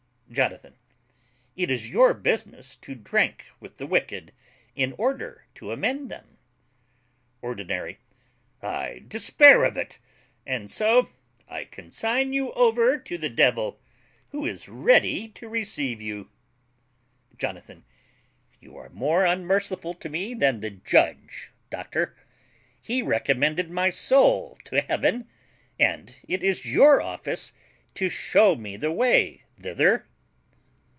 JONATHAN. It is your business to drink with the wicked, in order to amend them. ORDINARY. I despair of it; and so I consign you over to the devil, who is ready to receive you. JONATHAN. You are more unmerciful to me than the judge, doctor. He recommended my soul to heaven; and it is your office to shew me the way thither.